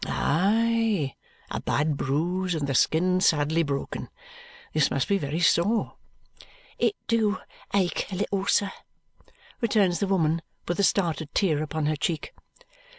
"Aye! A bad bruise, and the skin sadly broken. This must be very sore." "It do ache a little, sir," returns the woman with a started tear upon her cheek.